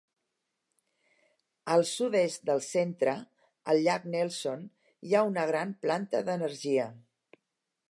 Al sud-est del centre, al llac Nelson hi ha una gran planta d'energia.